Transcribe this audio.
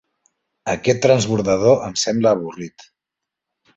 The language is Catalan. Aquest transbordador em sembla avorrit.